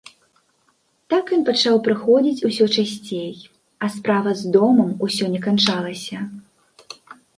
Так ён пачаў прыходзіць усё часцей, а справа з домам усё не канчалася.